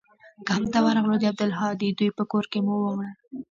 کمپ ته ورغلو د عبدالهادي دوى په کور کښې مو واړول.